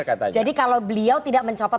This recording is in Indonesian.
katanya jadi kalau beliau tidak mencopot